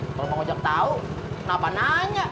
kalau mau ngajak tahu kenapa nanya